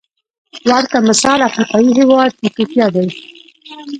ورته مثال افریقايي هېواد ایتوپیا دی.